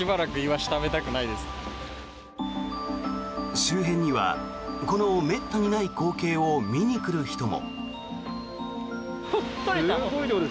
周辺にはこのめったにない光景を見に来る人も。